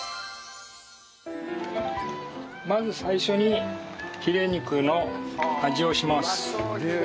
まず最初にヒレ肉の味をします。